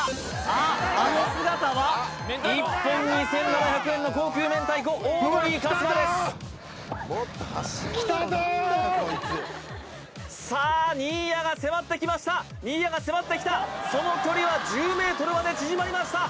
あっあの姿は１本２７００円の高級明太子オードリー春日ですさあ新谷が迫ってきました新谷が迫ってきたその距離は１０ｍまで縮まりました